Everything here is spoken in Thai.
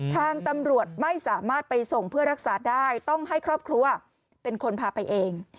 ทางตำรวจไม่สามารถไปส่งเพื่อรักษาได้ต้องให้ครอบครัวเป็นคนพาไปเอง